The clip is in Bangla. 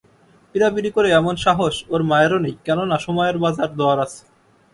পীড়াপীড়ি করে এমন সাহস ওর মায়েরও নেই, কেননা সময়ের বাজার-দর আছে।